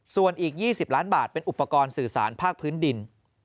ส่วนอีก๒๐ล้านบาทเป็นอุปกรณ์สื่อสารภาคพื้นดิน